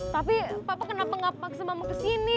tapi papa kenapa gak paksa mama kesini